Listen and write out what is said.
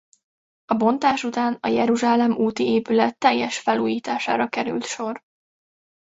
A bontás után a Jeruzsálem úti épület teljes felújítására került sor.